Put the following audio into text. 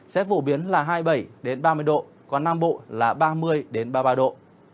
sẽ phổ biến là hai mươi bảy ba mươi độ còn nam bộ là ba mươi ba mươi ba độ